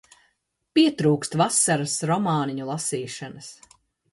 Pietrūkst vasaras romāniņu lasīšanas.